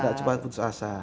nggak cepat putus asa